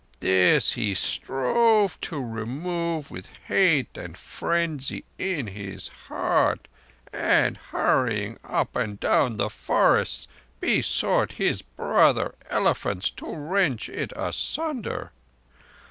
This he strove to remove with hate and frenzy in his heart, and hurrying up and down the forests, besought his brother elephants to wrench it asunder.